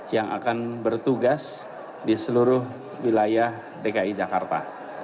yang akan bertugas di seluruh wilayah dki jakarta